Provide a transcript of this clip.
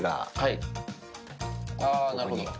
あぁなるほど。